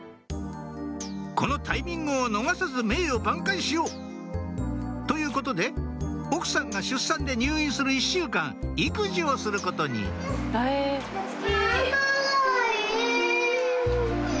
このタイミングを逃さず名誉挽回しよう！ということで奥さんが出産で入院する１週間育児をすることに大丈夫だよ。